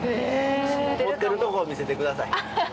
持ってるところを見せてください。